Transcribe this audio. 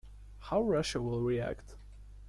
How Russia will react?